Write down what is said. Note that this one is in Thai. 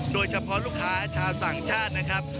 โดยเฉพาะลูกค้าชาวต่างชาตินะครับ